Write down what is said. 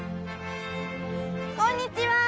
こんにちはー！